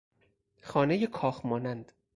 خانهی کاخ مانند